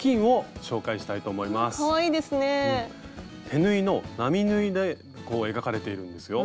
手縫いの並縫いでこう描かれているんですよ。